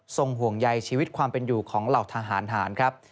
ห่วงใยชีวิตความเป็นอยู่ของเหล่าทหารหารครับ